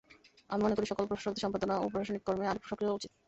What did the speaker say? আমি মনে করি সকল প্রশাসকদের সম্পাদনা ও প্রশাসনিক কর্মে আরেকটু সক্রিয় হওয়া উচিত।